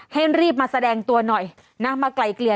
ให้รีบมาแสดงตัวหน่อยนะมาไกลเกลี่ย